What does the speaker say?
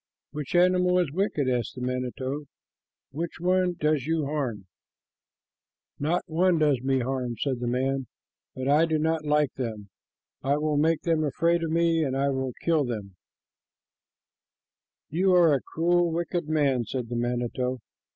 "Which animal is wicked?" asked the manito. "Which one does you harm?" [Illustration: THE KNIFE ONLY WENT IN DEEPER] "Not one does me harm," said the man, "but I do not like them. I will make them afraid of me, and I will kill them." "You are a cruel, wicked man," said the manito.